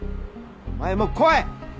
お前も来い！